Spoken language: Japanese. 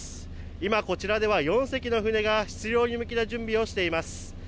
今、こちらでは４隻の船が出漁に向けた準備をしています。